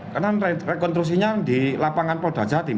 karena rekonstruksinya di lapangan polda jatim